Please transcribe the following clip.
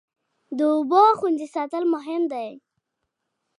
د اوبو خوندي ساتل مهم دی.